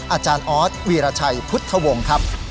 อาจารย์ออสวีรชัยพุทธวงศ์ครับ